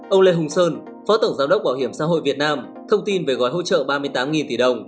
ông lê hùng sơn phó tổng giám đốc bảo hiểm xã hội việt nam thông tin về gói hỗ trợ ba mươi tám tỷ đồng